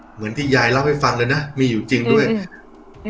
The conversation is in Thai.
เหมือนที่ยายเล่าให้ฟังเลยนะมีอยู่จริงด้วยอืม